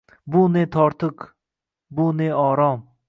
Bu ne tortiq, be ne orom